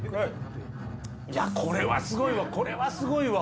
いやこれはすごいわこれはすごいわ。